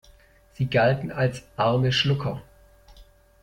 Sie galten als "arme Schlucker".